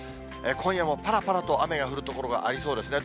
今夜もぱらぱらと雨が降る所がありそうですね。